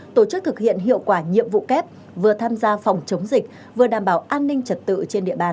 tổ chức thực hiện hiệu quả nhiệm vụ kép vừa tham gia phòng chống dịch vừa đảm bảo an ninh trật tự trên địa bàn